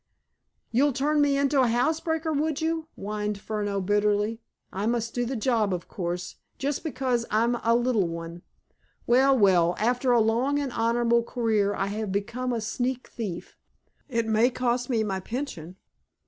"You'd turn me into a housebreaker, would you?" whined Furneaux bitterly. "I must do the job, of course, just because I'm a little one. Well, well! After a long and honorable career I have to become a sneak thief. It may cost me my pension."